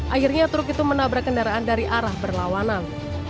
akhirnya truk itu menabrak kendaraan dari arah berlawanan